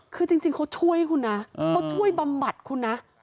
คือจริงเขาช่วยคุณนะเขาช่วยบำบัดคุณนะ